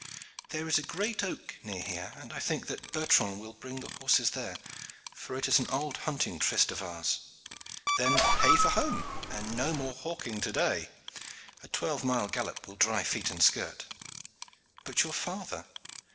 "There is a great oak near here, and I think that Bertrand will bring the horses there, for it is an old hunting tryst of ours. Then hey for home, and no more hawking to day! A twelve mile gallop will dry feet and skirt." "But your father?"